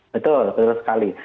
betul betul sekali